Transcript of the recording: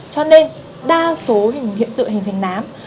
cho nên đa số hiện tượng hình thành nám